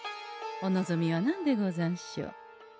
お望みは何でござんしょう？